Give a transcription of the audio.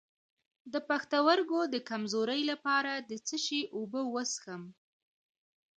د پښتورګو د کمزوری لپاره د څه شي اوبه وڅښم؟